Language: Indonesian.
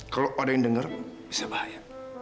kalau ada yang denger bisa bahaya